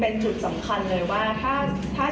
การสอบส่วนแล้วนะ